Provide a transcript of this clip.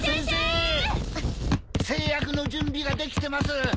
製薬の準備ができてます！